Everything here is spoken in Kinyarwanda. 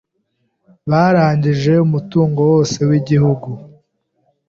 Barangije umutungo wose wigihugu.